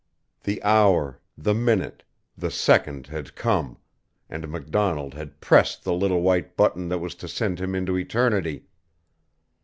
The hour the minute the second had come, and MacDonald had pressed the little white button that was to send him into eternity!